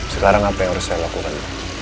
sekarang apa yang harus saya lakukan